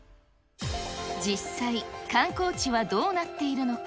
実際、観光地はどうなっているのか。